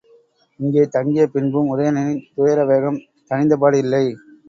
இங்கே தங்கியபின்பும் உதயணனின் துயரவேகம் தணிந்தபாடில்லை.